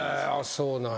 そうなんや。